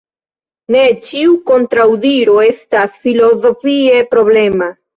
Ne ĉiu kontraŭdiro estas filozofie problema.